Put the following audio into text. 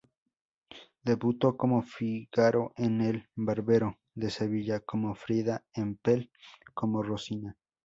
Debutó como Figaro en "El barbero de Sevilla" con Frieda Hempel como Rosina.